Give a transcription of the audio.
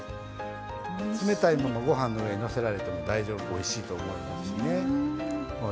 冷たいままご飯の上にのせても大丈夫、おいしいと思いますしね。